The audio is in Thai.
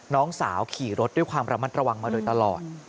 น้องสาวขี่รถด้วยความระมัดระวังมาโดยตลอด